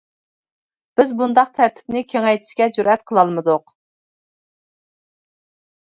بىز بۇنداق تەرتىپنى كېڭەيتىشكە جۈرئەت قىلالمىدۇق.